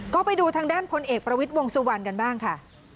ก็ไปดูทางด้านพลเอกประวิทย์วงสุวรรณกันบ้างค่ะ